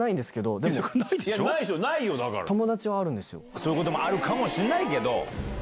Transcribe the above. そういうこともあるかもしれないけど。